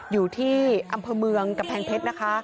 อยู่ที่อำเภอเมืองกำแพงเพชรนะคะ